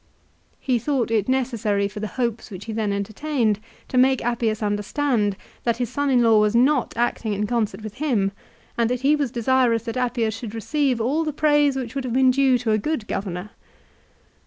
He thought it necessary for the hopes which he then entertained to make Appius understand that his son in law was not acting in concert with him, and that he was desirous that Appius should receive all the pra'ise which would have been due to a good Governor.